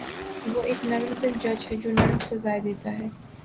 وہ ایک نرم دل جج ہے جو نرم سزایئں دیتا `ہے